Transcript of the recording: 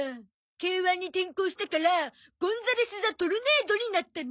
Ｋ−１に転向したからゴンザレス・ザ・トルネードになったの。